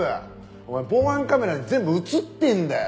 お前防犯カメラに全部映ってんだよ！